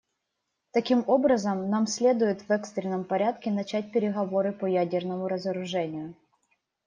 Таким образом, нам следует в экстренном порядке начать переговоры по ядерному разоружению.